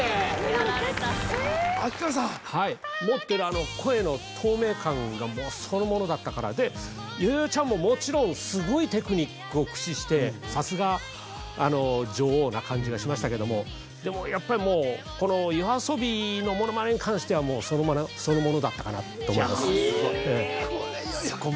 ・やられた秋川さんはい持ってる声の透明感がそのものだったからでよよよちゃんももちろんすごいテクニックを駆使してさすが女王な感じがしましたけどもでもやっぱりもうこのＹＯＡＳＯＢＩのモノマネに関してはもうそのものだったかなと思います